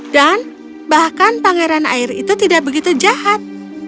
dan bahkan pangeran air itu tidak begitu jahat